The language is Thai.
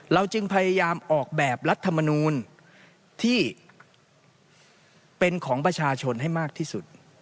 จึงพยายามออกแบบรัฐมนูลที่เป็นของประชาชนให้มากที่สุด